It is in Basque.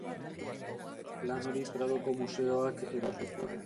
Lan hori Pradoko museoak erosi zuen.